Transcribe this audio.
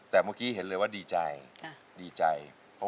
แต่เมื่อกี้เห็นเลยว่าดีใจดีใจ